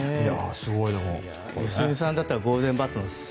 良純さんだったらゴールデンバットの。